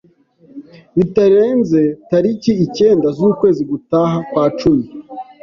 bitarenze tariki icyenda z'ukwezi gutaha kwa cumi.